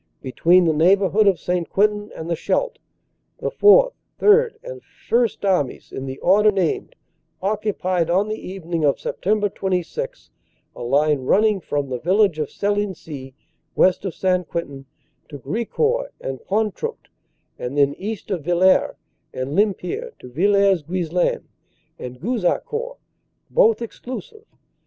"Between the neighbourhood of St. Quentin and the Scheldt, the Fourth, Third and First Armies in the order named occupied on the evening of Sept. 26 a line running from the village of Selency (west of St. Quentin) to Gricourt and Pontruct, and thence east of Villeret and Lempire to Villers Guislain and Gouzeaucourt, both exclusive.